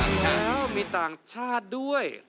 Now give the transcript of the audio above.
ต่างชาวมีต่างชาติด้วย